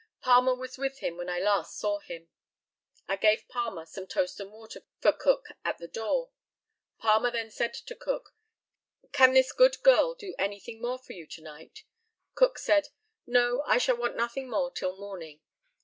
Palmer was with him when I last saw him. I gave Palmer some toast and water for Cook at the door. Palmer then said to Cook, "Can this good girl do anything more for you to night?" Cook said, "No; I shall want nothing more till morning."